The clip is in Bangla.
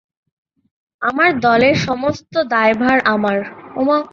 আমার দলের সমস্ত দায়ভার আমার।